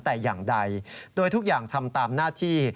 แต่อย่างใดโดยทุกอย่างทำตามหน้าที่